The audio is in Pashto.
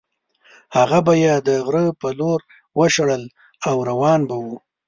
هغه به یې د غره په لور وشړل او روان به وو.